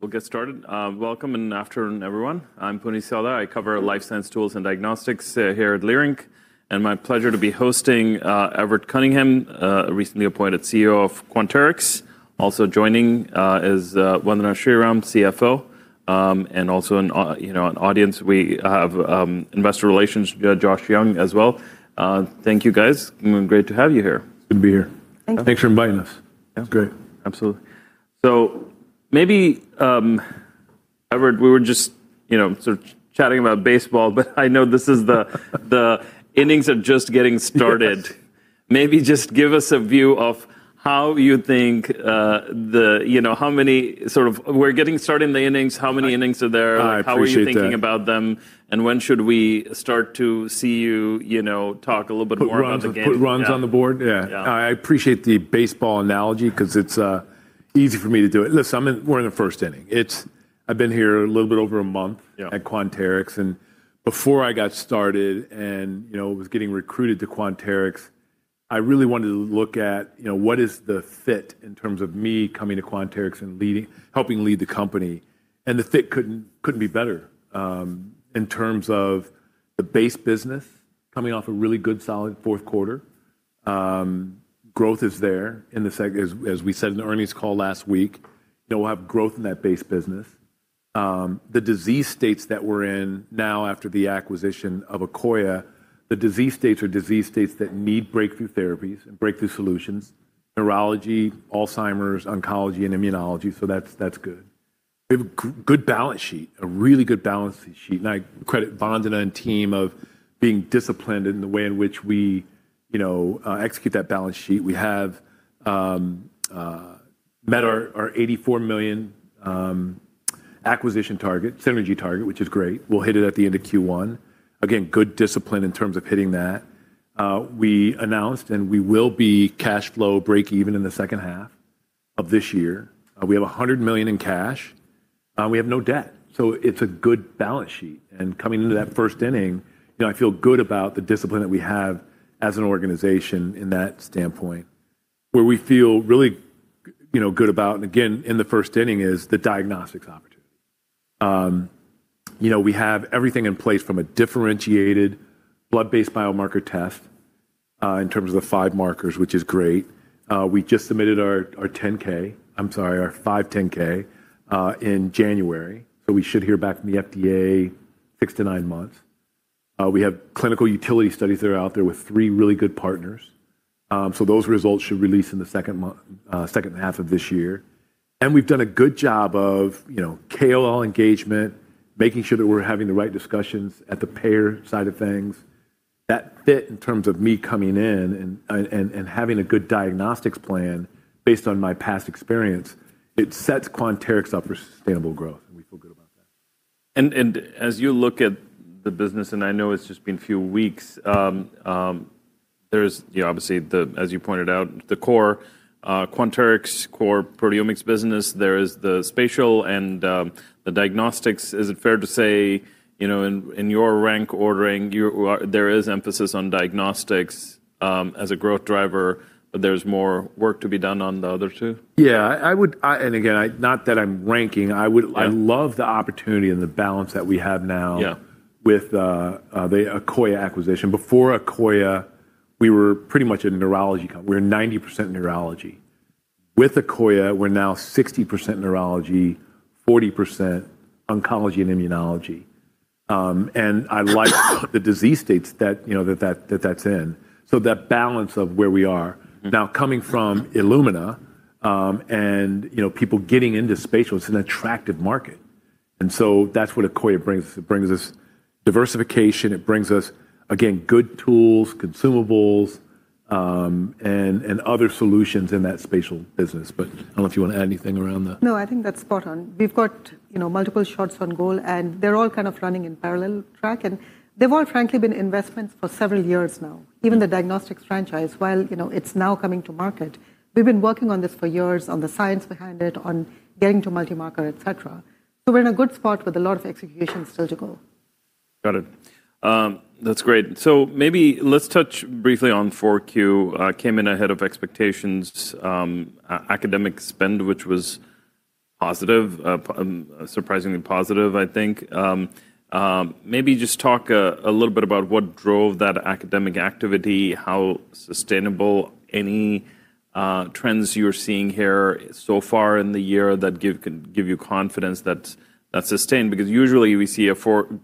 We'll get started. Welcome and afternoon everyone. I'm Puneet Souda. I cover life science tools and diagnostics here at Leerink. My pleasure to be hosting Everett Cunningham, recently appointed CEO of Quanterix. Also joining is Vandana Sriram, CFO. Also, you know, in audience, we have Investor Relations, Joshua Young as well. Thank you guys, great to have you here. Good to be here. Thank you. Thanks for inviting us. Yeah. It's great. Absolutely. Maybe, Everett, we were just, you know, sort of chatting about baseball, but I know this is the innings have just getting started. Maybe just give us a view of how you think, you know, how many, sort of we're getting started in the innings, how many innings are there? I appreciate that. how are you thinking about them, and when should we start to see you know, talk a little bit more about the game? Put runs on the board? Yeah. Yeah. I appreciate the baseball analogy 'cause it's easy for me to do it. Listen, we're in the first inning. I've been here a little bit over a month. Yeah At Quanterix, before I got started and, you know, was getting recruited to Quanterix, I really wanted to look at, you know, what is the fit in terms of me coming to Quanterix and helping lead the company, the fit couldn't be better. In terms of the base business, coming off a really good solid fourth quarter. Growth is there in the as we said in the earnings call last week, you know, we'll have growth in that base business. The disease states that we're in now after the acquisition of Akoya, the disease states are disease states that need breakthrough therapies and breakthrough solutions, neurology, Alzheimer's, oncology and immunology, that's good. We have a good balance sheet, a really good balance sheet. I credit Vandana and team of being disciplined in the way in which we, you know, execute that balance sheet. We have met our $84 million acquisition target, synergy target, which is great. We'll hit it at the end of Q1. Again, good discipline in terms of hitting that. We announced we will be cash flow break even in the second half of this year. We have $100 million in cash, we have no debt, it's a good balance sheet. Coming into that first inning, you know, I feel good about the discipline that we have as an organization in that standpoint. Where we feel really, you know, good about, and again, in the first inning, is the diagnostics opportunity. You know, we have everything in place from a differentiated blood-based biomarker test in terms of the five markers, which is great. We just submitted our 10-K, I'm sorry, our 510(k) in January, so we should hear back from the FDA six to nine months. We have clinical utility studies that are out there with three really good partners. Those results should release in the second half of this year. We've done a good job of, you know, KOL engagement, making sure that we're having the right discussions at the payer side of things. That fit in terms of me coming in and having a good diagnostics plan based on my past experience, it sets Quanterix up for sustainable growth, and we feel good about that. As you look at the business, and I know it's just been a few weeks, there's, you know, obviously the, as you pointed out, the core Quanterix core proteomics business, there is the spatial and the diagnostics. Is it fair to say, you know, in your rank ordering, there is emphasis on diagnostics as a growth driver, but there's more work to be done on the other two? Yeah, I would. I, and again, I, not that I'm ranking. Yeah. I love the opportunity and the balance that we have now. Yeah With the Akoya acquisition. Before Akoya, we were pretty much a Neurology company. We were 90% Neurology. With Akoya, we're now 60% Neurology, 40% oncology and immunology. The disease states that, you know, that that's in. That balance of where we are. Mm-hmm. Coming from Illumina, and, you know, people getting into spatial, it's an attractive market, and so that's what Akoya brings us. It brings us diversification, it brings us, again, good tools, consumables, and other solutions in that spatial business. I don't know if you want to add anything around that. No, I think that's spot on. We've got, you know, multiple shots on goal, and they're all kind of running in parallel track, and they've all frankly been investments for several years now. Even the diagnostics franchise, while, you know, it's now coming to market, we've been working on this for years, on the science behind it, on getting to multi-market, et cetera. We're in a good spot with a lot of execution still to go. Got it. That's great. Maybe let's touch briefly on 4Q. Came in ahead of expectations, academic spend, which was positive, surprisingly positive, I think. Maybe just talk a little bit about what drove that academic activity, how sustainable any trends you're seeing here so far in the year that give you confidence that's sustained? Usually we see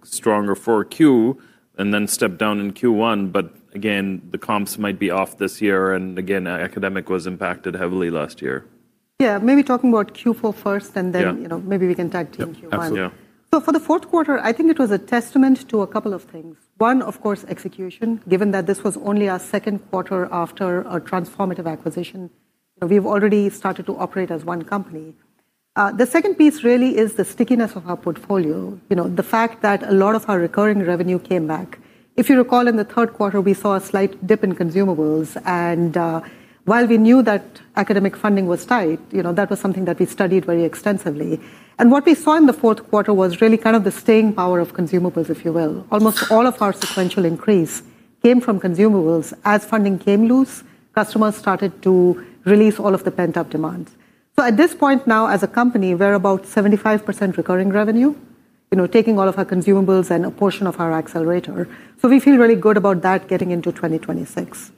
stronger 4Q and then step down in Q1, but again, the comps might be off this year, and again, academic was impacted heavily last year. Yeah. Maybe talking about Q4 first and then- Yeah You know, maybe we can dive deep in Q1. Yeah. Absolutely. Yeah. For the fourth quarter, I think it was a testament to a couple of things. One, of course, execution, given that this was only our second quarter after a transformative acquisition. We've already started to operate as one company. The second piece really is the stickiness of our portfolio. You know, the fact that a lot of our recurring revenue came back. If you recall, in the third quarter, we saw a slight dip in consumables, and while we knew that academic funding was tight, you know, that was something that we studied very extensively. What we saw in the fourth quarter was really kind of the staying power of consumables, if you will. Almost all of our sequential increase came from consumables. As funding came loose, customers started to release all of the pent-up demands. At this point now, as a company, we're about 75% recurring revenue, you know, taking all of our consumables and a portion of our Accelerator. We feel really good about that getting into 2026.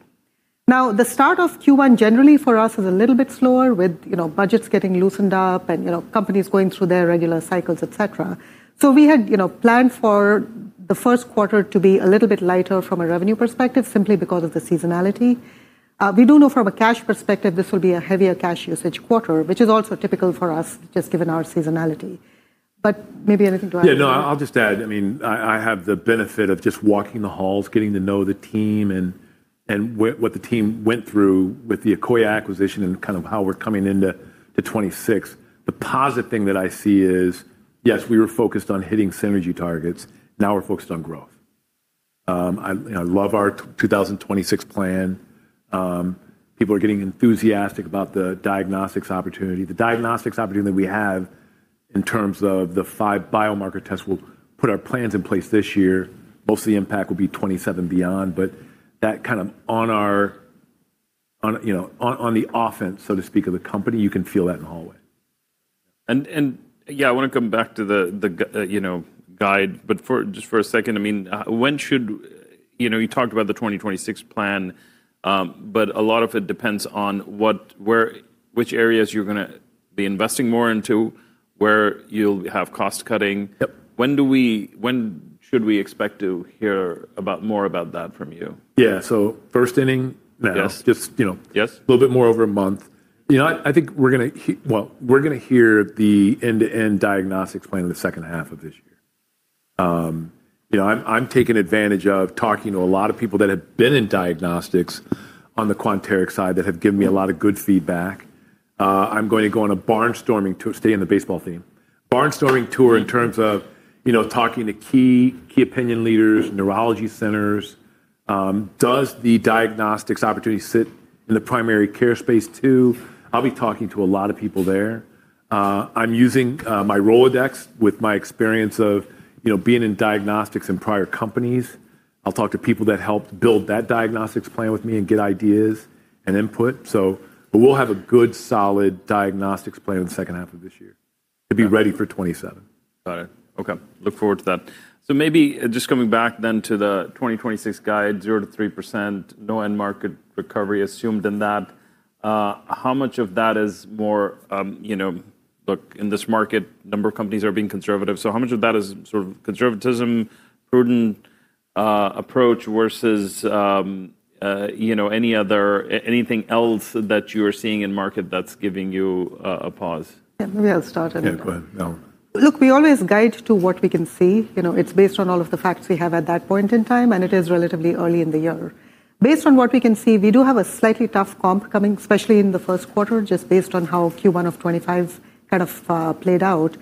Now, the start of Q1 generally for us is a little bit slower with, you know, budgets getting loosened up and, you know, companies going through their regular cycles, et cetera. We had, you know, planned for the first quarter to be a little bit lighter from a revenue perspective simply because of the seasonality. We do know from a cash perspective this will be a heavier cash usage quarter, which is also typical for us just given our seasonality. Maybe anything to add, John? Yeah, no, I'll just add. I mean, I have the benefit of just walking the halls, getting to know the team and what the team went through with the Akoya acquisition and kind of how we're coming into the 2026. The positive thing that I see is, yes, we were focused on hitting synergy targets, now we're focused on growth. I, you know, love our 2026 plan. People are getting enthusiastic about the diagnostics opportunity. The diagnostics opportunity that we have in terms of the five biomarker tests, we'll put our plans in place this year. Most of the impact will be 2027 beyond, but that kind of on our, you know, on the offense, so to speak, of the company, you can feel that in the hallway. Yeah, I wanna come back to you know, guide. For just a second, I mean, when should. You know, you talked about the 2026 plan, a lot of it depends on what, where, which areas you're gonna be investing more into, where you'll have cost-cutting. Yep. When should we expect to hear about more about that from you? Yeah. first inning. Yes. Now just, you know. Yes A little bit more over a month. You know, I think we're gonna well, we're gonna hear the end-to-end diagnostics plan in the second half of this year. You know, I'm taking advantage of talking to a lot of people that have been in diagnostics on the Quanterix side that have given me a lot of good feedback. I'm going to go on a barnstorming to stay in the baseball theme. Barnstorming tour in terms of, you know, talking to key opinion leaders, Neurology centers. Does the diagnostics opportunity sit in the primary care space too? I'll be talking to a lot of people there. I'm using my Rolodex with my experience of, you know, being in diagnostics in prior companies. I'll talk to people that helped build that diagnostics plan with me and get ideas and input, so. We'll have a good, solid diagnostics plan in the second half of this year to be ready for 2027. Got it. Okay. Look forward to that. Maybe just coming back then to the 2026 guide, 0%-3%, no end market recovery assumed in that. How much of that is more, you know-- Look, in this market, a number of companies are being conservative. How much of that is sort of conservatism, prudent approach versus, you know, any other, anything else that you're seeing in market that's giving you a pause? Yeah, maybe I'll start. Yeah, go ahead. No. Look, we always guide to what we can see. You know, it's based on all of the facts we have at that point in time. It is relatively early in the year. Based on what we can see, we do have a slightly tough comp coming, especially in the first quarter, just based on how Q1 of 2025's kind of played out.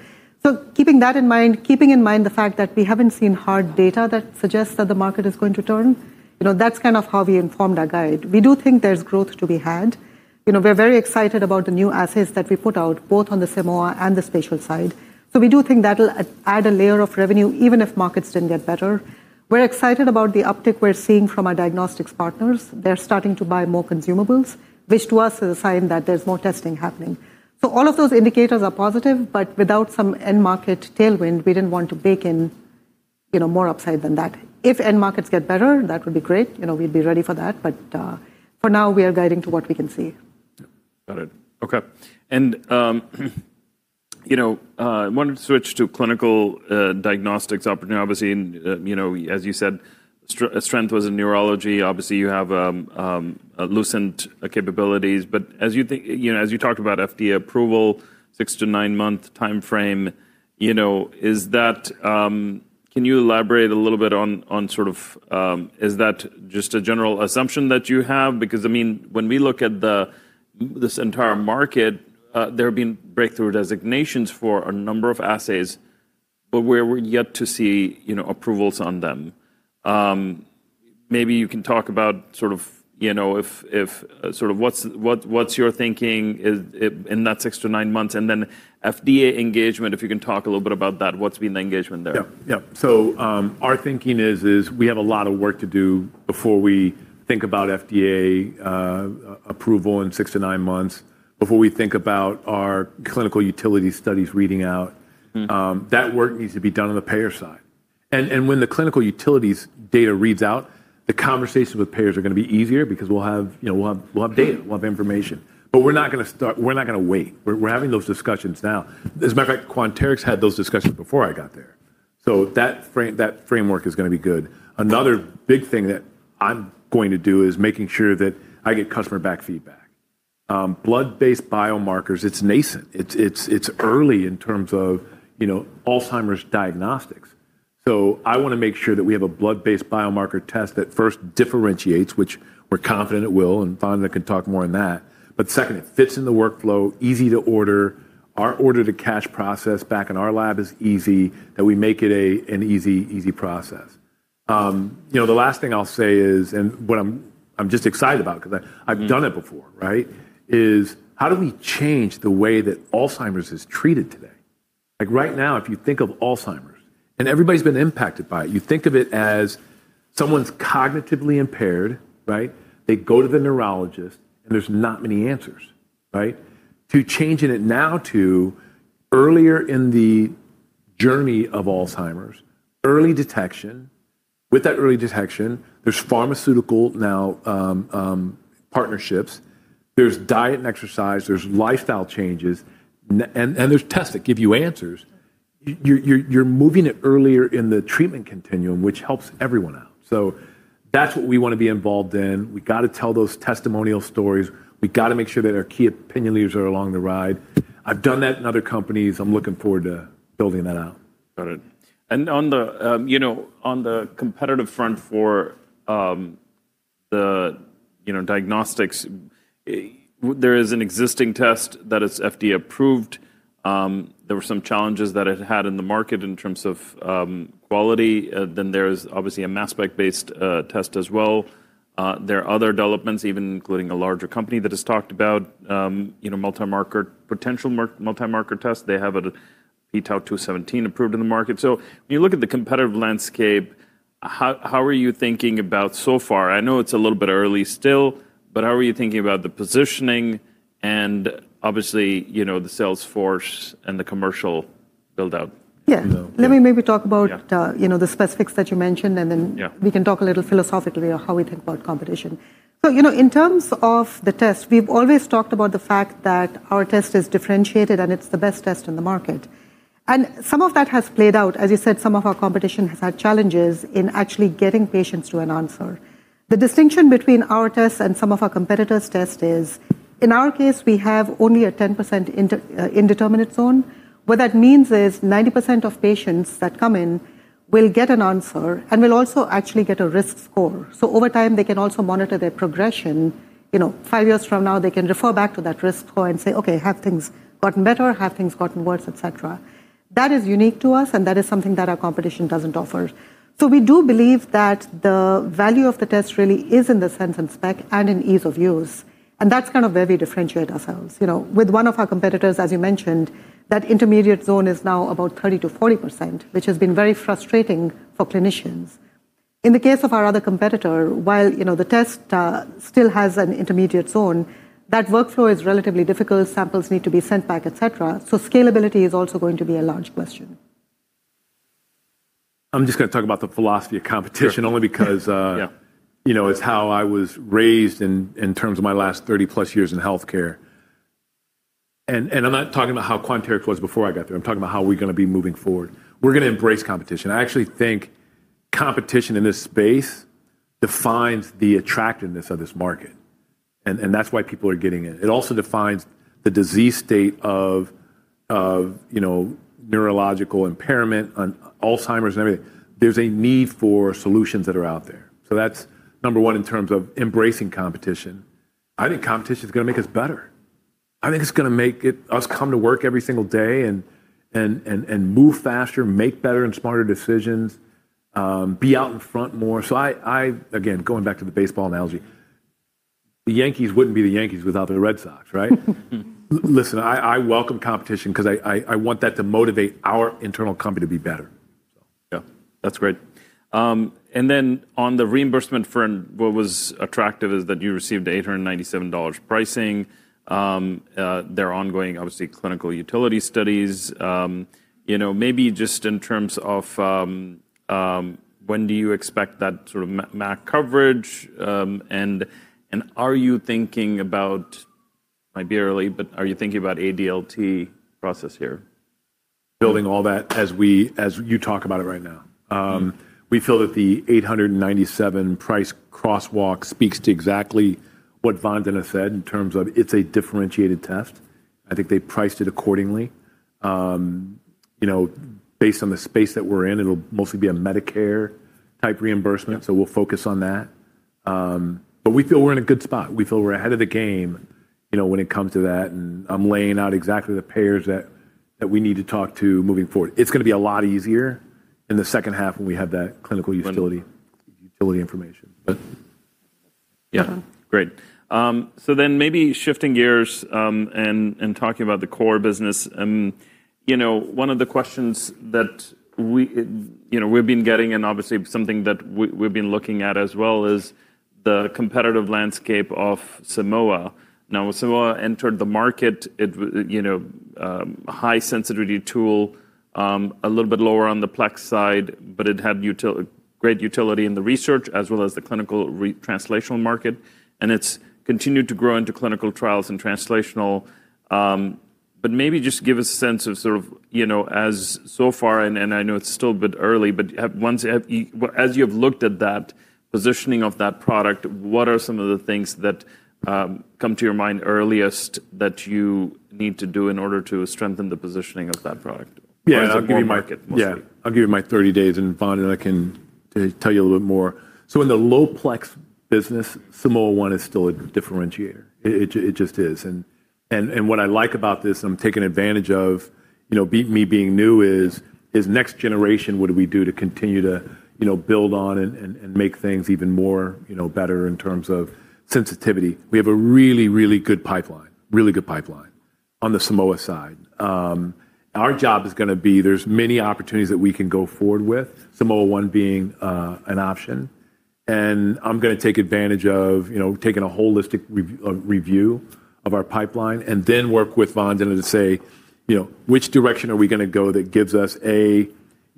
Keeping that in mind, keeping in mind the fact that we haven't seen hard data that suggests that the market is going to turn, you know, that's kind of how we informed our guide. We do think there's growth to be had. You know, we're very excited about the new assays that we put out, both on the Simoa and the spatial side. We do think that'll add a layer of revenue, even if markets didn't get better. We're excited about the uptick we're seeing from our diagnostics partners. They're starting to buy more consumables, which to us is a sign that there's more testing happening. All of those indicators are positive, but without some end market tailwind, we didn't want to bake in, you know, more upside than that. If end markets get better, that would be great. You know, we'd be ready for that. For now, we are guiding to what we can see. Yeah. Got it. Okay. You know, I wanted to switch to clinical diagnostics opportunity, obviously, and, you know, as you said, strength was in Neurology. Obviously, you have Lucent capabilities. As you talked about FDA approval, 6-9 month timeframe, you know, is that, can you elaborate a little bit on sort of, is that just a general assumption that you have? I mean, when we look at this entire market, there have been Breakthrough designations for a number of assays, but we're yet to see, you know, approvals on them. Maybe you can talk about sort of, you know, what's your thinking in that 6-9 months? FDA engagement, if you can talk a little bit about that, what's been the engagement there? Yeah. Yeah. Our thinking is we have a lot of work to do before we think about FDA approval in six to nine months, before we think about our clinical utility studies reading out. Mm-hmm. That work needs to be done on the payer side. When the clinical utility studies data reads out, the conversations with payers are gonna be easier because we'll have, you know, we'll have data, we'll have information. We're not gonna wait. We're having those discussions now. As a matter of fact, Quanterix had those discussions before I got there. That framework is gonna be good. Another big thing that I'm going to do is making sure that I get customer back feedback. Blood-based biomarkers, it's nascent. It's early in terms of, you know, Alzheimer's diagnostics. I wanna make sure that we have a blood-based biomarker test that first differentiates, which we're confident it will, and Vandana can talk more on that. Second, it fits in the workflow, easy to order. Our order to cash process back in our lab is easy, that we make it an easy process. you know, the last thing I'll say is, what I'm just excited about. Mm-hmm I've done it before, right? Is how do we change the way that Alzheimer's is treated today? Right now, if you think of Alzheimer's, and everybody's been impacted by it, you think of it as someone's cognitively impaired, right? They go to the neurologist, and there's not many answers, right? To changing it now to earlier in the journey of Alzheimer's, early detection. With that early detection, there's pharmaceutical now, partnerships, there's diet and exercise, there's lifestyle changes, and there's tests that give you answers. You're, you're moving it earlier in the treatment continuum, which helps everyone out. That's what we wanna be involved in. We gotta tell those testimonial stories. We gotta make sure that our key opinion leaders are along the ride. I've done that in other companies. I'm looking forward to building that out. Got it. On the, you know, on the competitive front for, the, you know, diagnostics, there is an existing test that is FDA approved. There were some challenges that it had in the market in terms of, quality. Then there's obviously a mass spec-based test as well. There are other developments even including a larger company that has talked about, you know, potential multi-marker test. They have a p-Tau 217 approved in the market. When you look at the competitive landscape, how are you thinking about so far? I know it's a little bit early still, but how are you thinking about the positioning and obviously, you know, the sales force and the commercial build-out? Yeah. You know, yeah. Let me maybe talk about. Yeah You know, the specifics that you mentioned. Yeah We can talk a little philosophically on how we think about competition. You know, in terms of the test, we've always talked about the fact that our test is differentiated, and it's the best test in the market, and some of that has played out. As you said, some of our competition has had challenges in actually getting patients to an answer. The distinction between our test and some of our competitors' test is, in our case, we have only a 10% indeterminate zone. What that means is 90% of patients that come in will get an answer and will also actually get a risk score. Over time, they can also monitor their progression. You know, five years from now, they can refer back to that risk score and say, "Okay, have things gotten better? Have things gotten worse," et cetera. That is unique to us, and that is something that our competition doesn't offer. We do believe that the value of the test really is in the sensitivity and specificity and in ease of use, and that's going to where we differentiate ourselves. You know, with one of our competitors, as you mentioned, that intermediate zone is now about 30%-40%, which has been very frustrating for clinicians. In the case of our other competitor, while, you know, the test still has an intermediate zone, that workflow is relatively difficult, samples need to be sent back, et cetera. Scalability is also going to be a large question. I'm just gonna talk about the philosophy of competition Sure. Only because. Yeah You know, it's how I was raised in terms of my last 30-plus years in healthcare. I'm not talking about how Quanterix was before I got there. I'm talking about how we're gonna be moving forward. We're gonna embrace competition. I actually think competition in this space defines the attractiveness of this market, and that's why people are getting in. It also defines the disease state of, you know, neurological impairment and Alzheimer's and everything. There's a need for solutions that are out there. That's number one in terms of embracing competition. I think competition's gonna make us better. I think it's gonna make us come to work every single day and move faster, make better and smarter decisions, be out in front more. I. Going back to the baseball analogy, the Yankees wouldn't be the Yankees without the Red Sox, right? Listen, I welcome competition 'cause I want that to motivate our internal company to be better. Yeah. That's great. Then on the reimbursement front, what was attractive is that you received $897 pricing, their ongoing, obviously, clinical utility studies. You know, maybe just in terms of, when do you expect that sort of MAC coverage, and are you thinking about, might be early, but are you thinking about ADLT process here? Building all that as you talk about it right now. We feel that the $897 price crosswalk speaks to exactly what Vandana said in terms of it's a differentiated test. I think they priced it accordingly. You know, based on the space that we're in, it'll mostly be a Medicare type reimbursement. Yeah We'll focus on that. We feel we're in a good spot. We feel we're ahead of the game, you know, when it comes to that, I'm laying out exactly the payers that we need to talk to moving forward. It's gonna be a lot easier in the second half when we have that clinical utility. Wonderful Utility information. Good. Yeah. Yeah. Great. Maybe shifting gears, and talking about the core business. You know, one of the questions that we, you know, we've been getting and obviously something that we've been looking at as well is the competitive landscape of Simoa. When Simoa entered the market, it, you know, a high-sensitivity tool, a little bit lower on the plex side, but it had great utility in the research as well as the clinical translational market, and it's continued to grow into clinical trials and translational. Maybe just give a sense of sort of, you know, as so far, and I know it's still a bit early, but as you have looked at that positioning of that product, what are some of the things that come to your mind earliest that you need to do in order to strengthen the positioning of that product? Yeah. I'll give you my- Is it more market mostly? Yeah. I'll give you my 30 days, and Vandana can tell you a little bit more. In the low-plex business, Simoa ONE is still a differentiator. It just is. What I like about this, I'm taking advantage of, you know, me being new, is next-generation. What do we do to continue to, you know, build on and make things even more, you know, better in terms of sensitivity. We have a really good pipeline. Really good pipeline. On the Simoa side, our job is going to be there's many opportunities that we can go forward with, Simoa ONE being an option. I'm gonna take advantage of, you know, taking a holistic review of our pipeline and then work with Vandana to say, you know, which direction are we gonna go that gives us a, you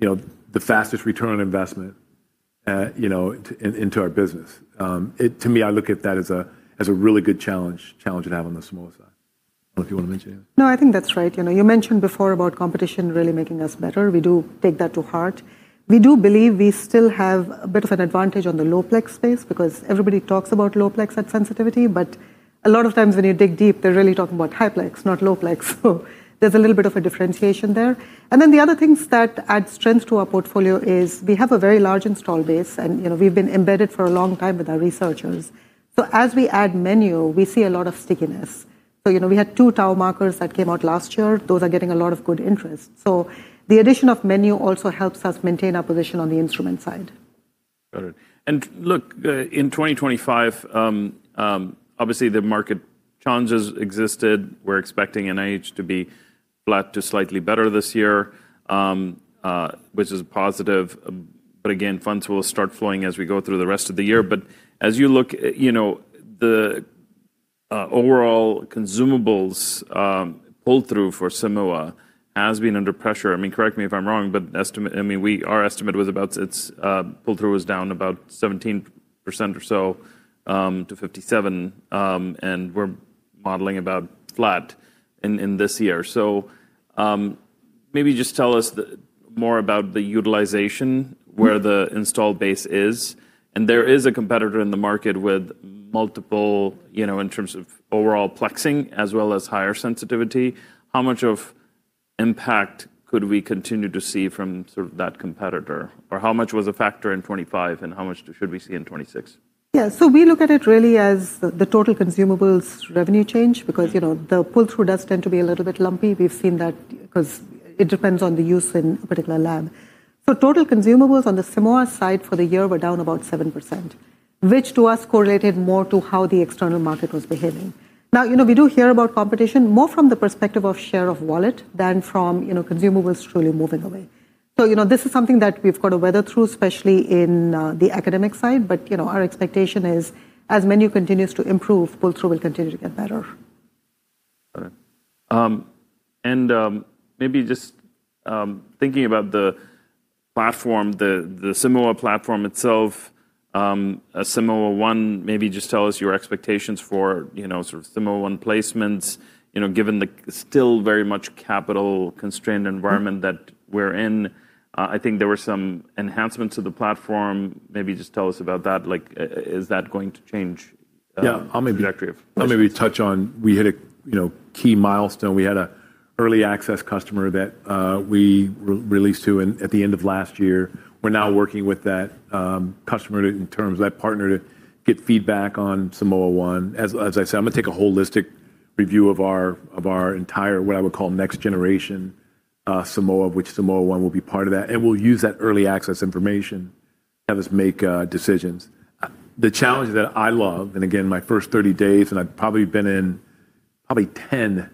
know, the fastest return on investment, you know, into our business? To me, I look at that as a, as a really good challenge to have on the Simoa side. I don't know if you wanna mention anything. No, I think that's right. You know, you mentioned before about competition really making us better. We do take that to heart. We do believe we still have a bit of an advantage on the low-plex space because everybody talks about low-plex at sensitivity, but a lot of times when you dig deep, they're really talking about high-plex, not low-plex. There's a little bit of a differentiation there. The other things that add strength to our portfolio is we have a very large install base and, you know, we've been embedded for a long time with our researchers. As we add menu, we see a lot of stickiness. You know, we had two tau markers that came out last year. Those are getting a lot of good interest. The addition of menu also helps us maintain our position on the instrument side. Got it. In 2025, obviously the market challenges existed. We're expecting Neurology to be flat to slightly better this year, which is positive, but again, funds will start flowing as we go through the rest of the year. As you look, you know, the overall consumables pull-through for Simoa has been under pressure. I mean, correct me if I'm wrong, but our estimate was about its pull-through was down about 17% or so, to $57, and we're modeling about flat in this year. Maybe just tell us more about the utilization. Mm-hmm. Where the install base is, and there is a competitor in the market with multiple, you know, in terms of overall plexing as well as higher sensitivity. How much of impact could we continue to see from sort of that competitor? How much was a factor in 2025, and how much should we see in 2026? Yeah. We look at it really as the total consumables revenue change because, you know, the pull-through does tend to be a little bit lumpy. We've seen that 'cause it depends on the use in a particular lab. Total consumables on the Simoa side for the year were down about 7%, which to us correlated more to how the external market was behaving. You know, we do hear about competition more from the perspective of share of wallet than from, you know, consumables truly moving away. You know, this is something that we've got to weather through, especially in the academic side. You know, our expectation is as menu continues to improve, pull-through will continue to get better. Got it. Maybe just thinking about the platform, the Simoa platform itself, Simoa ONE, maybe just tell us your expectations for, you know, sort of Simoa ONE placements, you know, given the still very much capital-constrained environment that we're in. I think there were some enhancements to the platform. Maybe just tell us about that. Like, is that going to change? Yeah. I'll the trajectory of I'll maybe touch on, we hit a, you know, key milestone. We had a early access customer that we re-released to at the end of last year. We're now working with that customer in terms of that partner to get feedback on Simoa ONE. As I said, I'm gonna take a holistic review of our entire, what I would call next generation Simoa, which Simoa ONE will be part of that, and we'll use that early access information to help us make decisions. The challenge that I love, and again, my first 30 days, and I've probably been in 10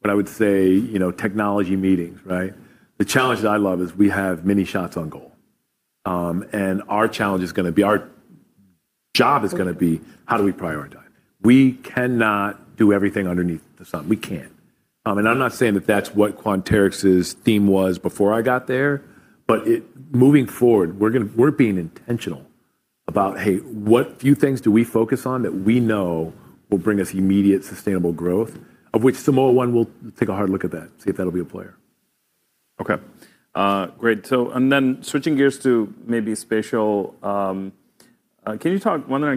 what I would say, you know, technology meetings, right? The challenge that I love is we have many shots on goal. Our job is gonna be how do we prioritize? We cannot do everything underneath the sun. We can't. I'm not saying that that's what Quanterix's theme was before I got there, but moving forward, we're being intentional about, hey, what few things do we focus on that we know will bring us immediate sustainable growth, of which Simoa ONE will take a hard look at that, see if that'll be a player. Okay. great. Switching gears to maybe spatial, Vandana,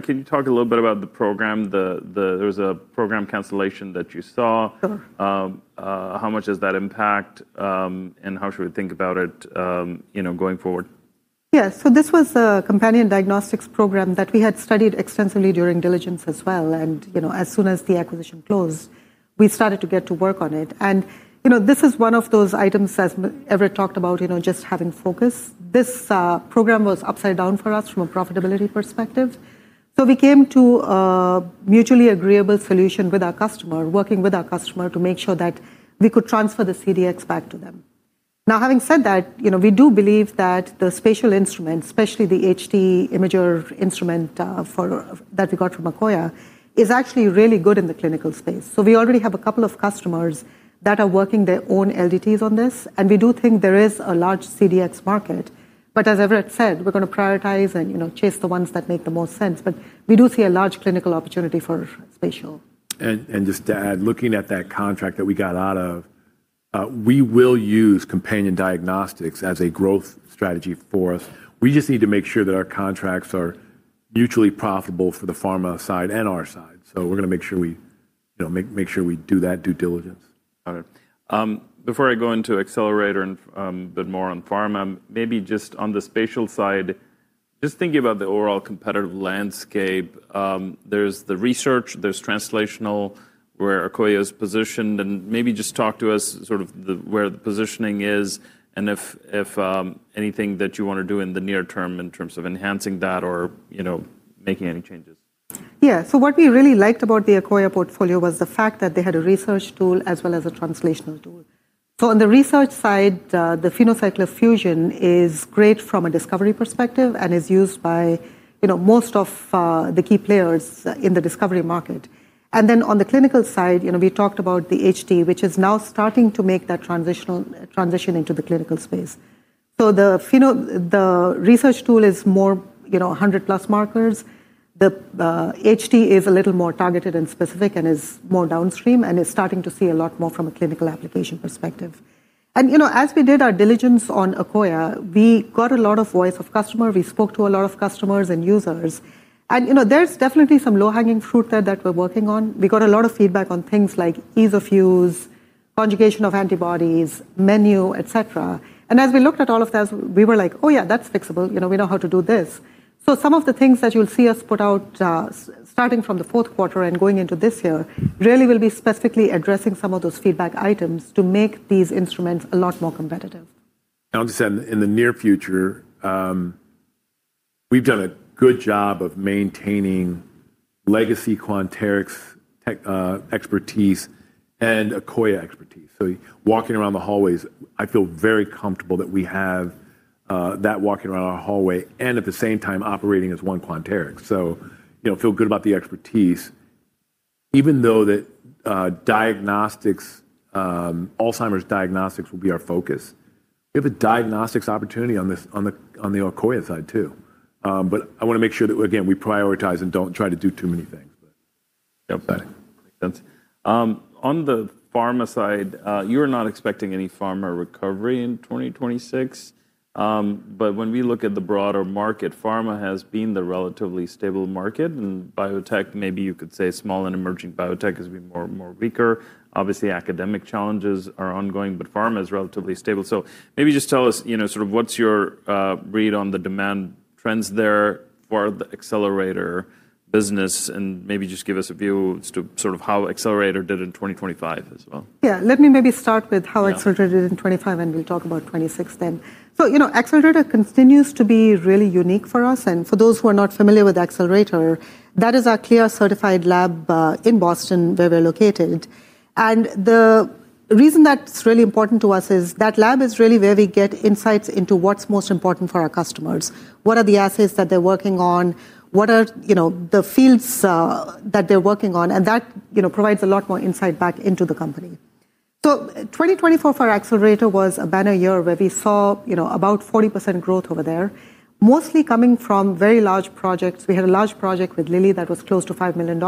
can you talk a little bit about the program? There was a program cancellation that you saw. Sure. How much does that impact, and how should we think about it, you know, going forward? Yeah. This was a companion diagnostics program that we had studied extensively during diligence as well. You know, as soon as the acquisition closed, we started to get to work on it. You know, this is one of those items, as Everett talked about, you know, just having focus. This program was upside down for us from a profitability perspective. We came to a mutually agreeable solution with our customer, working with our customer to make sure that we could transfer the CDX back to them. Now, having said that, you know, we do believe that the spatial instruments, especially the HD-X Imager instrument that we got from Akoya, is actually really good in the clinical space. We already have a couple of customers that are working their own LDTs on this, and we do think there is a large CDX market. As Everett said, we're gonna prioritize and, you know, chase the ones that make the most sense. We do see a large clinical opportunity for spatial. Just to add, looking at that contract that we got out of, we will use companion diagnostics as a growth strategy for us. We just need to make sure that our contracts are mutually profitable for the pharma side and our side. We're gonna make sure we, you know, make sure we do that due diligence. Got it. Before I go into Accelerator and a bit more on pharma, maybe just on the spatial side, just thinking about the overall competitive landscape, there's the research, there's translational, where Akoya is positioned, and maybe just talk to us sort of where the positioning is and if anything that you wanna do in the near term in terms of enhancing that or, you know, making any changes. What we really liked about the Akoya portfolio was the fact that they had a research tool as well as a translational tool. On the research side, the PhenoCycler-Fusion is great from a discovery perspective and is used by, you know, most of the key players in the discovery market. Then on the clinical side, you know, we talked about the HD-X, which is now starting to make that transition into the clinical space. The research tool is more, you know, 100+ markers. The HD-X is a little more targeted and specific and is more downstream, and is starting to see a lot more from a clinical application perspective. You know, as we did our diligence on Akoya, we got a lot of voice of customer, we spoke to a lot of customers and users. You know, there's definitely some low-hanging fruit there that we're working on. We got a lot of feedback on things like ease of use, conjugation of antibodies, menu, et cetera. As we looked at all of those, we were like, "Oh yeah, that's fixable. You know, we know how to do this." Some of the things that you'll see us put out, starting from the fourth quarter and going into this year, really will be specifically addressing some of those feedback items to make these instruments a lot more competitive. I'll just add, in the near future, we've done a good job of maintaining legacy Quanterix tech expertise and Akoya expertise. Walking around the hallways, I feel very comfortable that we have walking around our hallway and at the same time operating as one Quanterix. You know, feel good about the expertise. Even though the diagnostics, Alzheimer's diagnostics will be our focus, we have a diagnostics opportunity on this, on the, on the Akoya side too. I wanna make sure that again, we prioritize and don't try to do too many things. Yeah. Makes sense. On the pharma side, you're not expecting any pharma recovery in 2026. When we look at the broader market, pharma has been the relatively stable market, and biotech, maybe you could say small and emerging biotech has been more weaker. Obviously academic challenges are ongoing, but pharma is relatively stable. Maybe just tell us, you know, sort of what's your read on the demand trends there for the Accelerator business, and maybe just give us a view as to sort of how Accelerator did in 2025 as well. Yeah. Let me maybe start with how Accelerator- Yeah did in 2025, and we'll talk about 2026 then. You know, Accelerator continues to be really unique for us. For those who are not familiar with Accelerator, that is our CLIA-certified lab in Boston where we're located. The reason that's really important to us is that lab is really where we get insights into what's most important for our customers, what are the assets that they're working on, what are, you know, the fields that they're working on. That, you know, provides a lot more insight back into the company. 2024 for Accelerator was a banner year where we saw, you know, about 40% growth over there, mostly coming from very large projects. We had a large project with Lilly that was close to $5 million,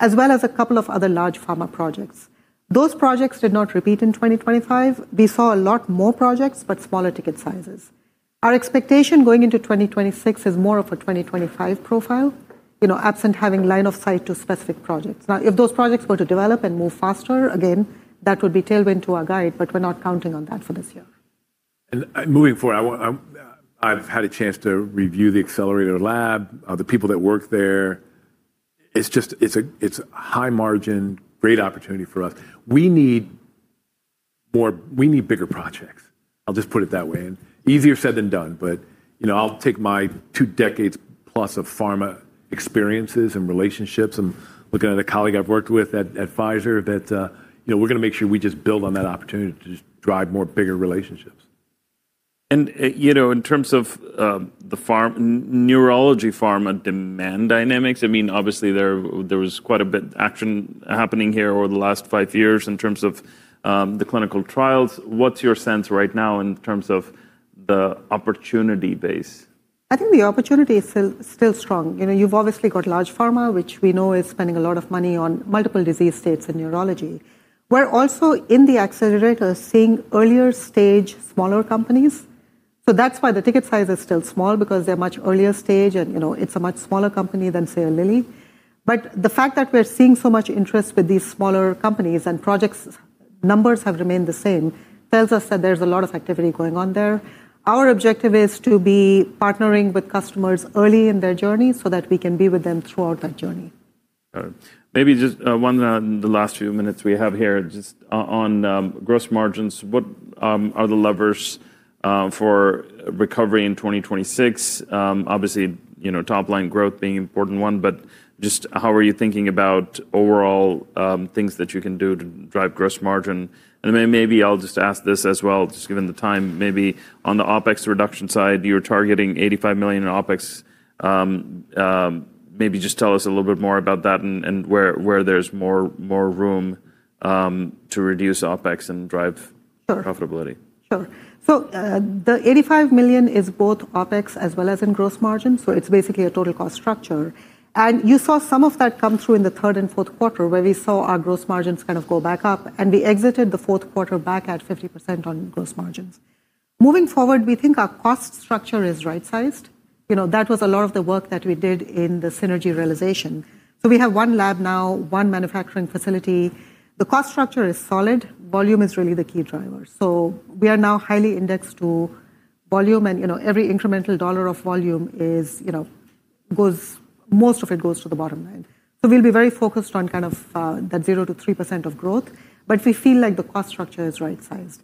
as well as a couple of other large pharma projects. Those projects did not repeat in 2025. We saw a lot more projects, but smaller ticket sizes. Our expectation going into 2026 is more of a 2025 profile, you know, absent having line of sight to specific projects. If those projects were to develop and move faster, again, that would be tailwind to our guide, but we're not counting on that for this year. Moving forward, I've had a chance to review the Accelerator lab, the people that work there. It's just, it's a, it's a high margin, great opportunity for us. We need bigger projects. I'll just put it that way. Easier said than done, but, you know, I'll take my two decades plus of pharma experiences and relationships. I'm looking at a colleague I've worked with at Pfizer that, you know, we're gonna make sure we just build on that opportunity to just drive more bigger relationships. You know, in terms of the Neurology pharma demand dynamics, I mean, obviously there was quite a bit action happening here over the last five years in terms of the clinical trials. What's your sense right now in terms of the opportunity base? I think the opportunity is still strong. You know, you've obviously got large pharma, which we know is spending a lot of money on multiple disease states in Neurology. We're also in the Accelerator seeing earlier stage smaller companies. That's why the ticket size is still small, because they're much earlier stage and, you know, it's a much smaller company than, say, a Lilly. The fact that we're seeing so much interest with these smaller companies and projects, numbers have remained the same, tells us that there's a lot of activity going on there. Our objective is to be partnering with customers early in their journey so that we can be with them throughout that journey. All right. Maybe just one in the last few minutes we have here, just on gross margins. What are the levers for recovery in 2026? Obviously, you know, top line growth being an important one, but just how are you thinking about overall things that you can do to drive gross margin? Maybe I'll just ask this as well, just given the time maybe. On the OpEx reduction side, you're targeting $85 million in OpEx. Maybe just tell us a little bit more about that and where there's more room to reduce OpEx and drive- Sure profitability. Sure. The $85 million is both OpEx as well as in gross margin, it's basically a total cost structure. You saw some of that come through in the third and fourth quarter where we saw our gross margins kind of go back up, and we exited the fourth quarter back at 50% on gross margins. Moving forward, we think our cost structure is right-sized. You know, that was a lot of the work that we did in the synergy realization. We have one lab now, one manufacturing facility. The cost structure is solid. Volume is really the key driver. We are now highly indexed to volume and, you know, every incremental dollar of volume is, you know, Most of it goes to the bottom line. We'll be very focused on kind of, that 0%-3% of growth, but we feel like the cost structure is right-sized.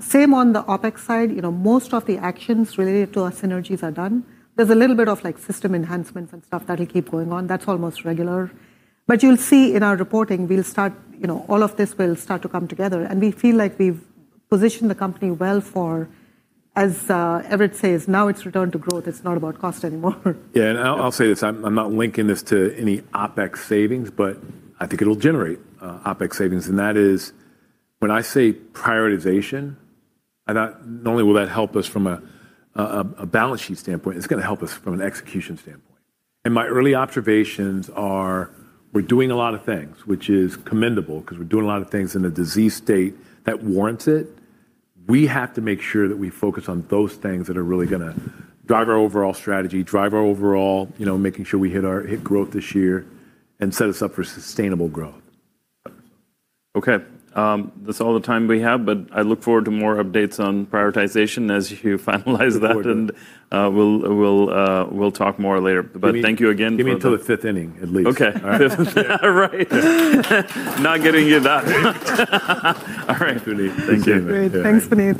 Same on the OpEx side. You know, most of the actions related to our synergies are done. There's a little bit of like system enhancements and stuff that'll keep going on. That's almost regular. You'll see in our reporting, we'll start, you know, all of this will start to come together, and we feel like we've positioned the company well for, as Everett says, "Now it's return to growth. It's not about cost anymore. Yeah. I'll say this, I'm not linking this to any OpEx savings, but I think it'll generate OpEx savings, and that is when I say prioritization, not only will that help us from a balance sheet standpoint, it's gonna help us from an execution standpoint. My early observations are we're doing a lot of things, which is commendable 'cause we're doing a lot of things in a disease state that warrants it. We have to make sure that we focus on those things that are really gonna drive our overall strategy, drive our overall, you know, making sure we hit growth this year and set us up for sustainable growth. Okay. That's all the time we have, but I look forward to more updates on prioritization as you finalize that. Looking forward to it. We'll talk more later. Thank you again. Give me till the fifth inning, at least. Okay. All right. Not giving you that. All right. Thank you. Great. Thanks, Puneet.